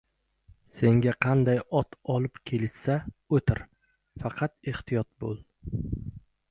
• Senga qanday ot olib kelishsa, o‘tir, faqat ehtiyot bo‘l.